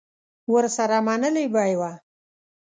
ورسره منلې به یې وه